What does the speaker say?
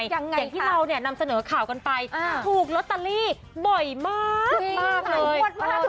อย่างไรคะอย่างที่เรานำเสนอข่ากนไปถูกโรตตาลีบ่อยมากเลย